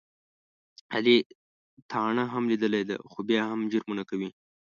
علي تاڼه هم لیدلې ده، خو بیا هم جرمونه کوي.